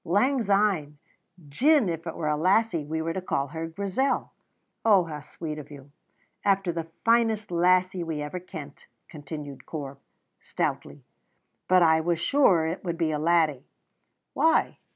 "Lang syne. Gin it were a lassie we were to call her Grizel " "Oh, how sweet of you!" "After the finest lassie we ever kent," continued Corp, stoutly. "But I was sure it would be a laddie." "Why?"